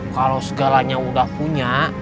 kalau segalanya udah punya